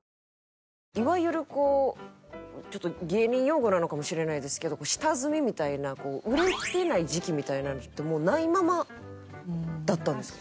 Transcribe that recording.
いわゆるこうちょっと芸人用語なのかもしれないですけど下積みみたいなこう売れてない時期みたいな時ってもうないままだったんですか？